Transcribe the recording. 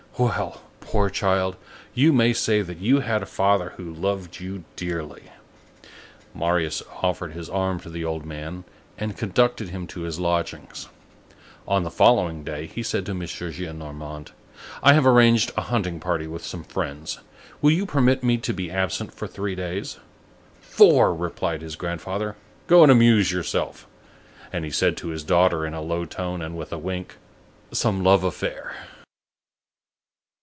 Well! poor child, you may say that you had a father who loved you dearly!" Marius offered his arm to the old man and conducted him to his lodgings. On the following day, he said to M. Gillenormand:— "I have arranged a hunting party with some friends. Will you permit me to be absent for three days?" "Four!" replied his grandfather. "Go and amuse yourself." And he said to his daughter in a low tone, and with a wink, "Some love affair!"